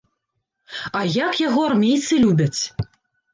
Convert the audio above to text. А як яго армейцы любяць.